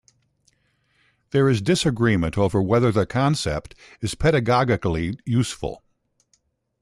There is disagreement over whether the concept is pedagogically useful.